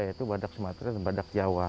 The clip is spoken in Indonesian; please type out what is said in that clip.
yaitu badak sumatera dan badak jawa